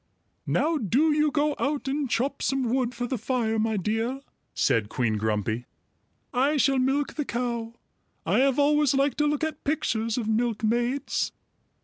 "Now do you go out and chop some wood for the fire, my dear," said Queen Grumpy. "I shall milk the cow. I have always liked to look at pictures of milkmaids."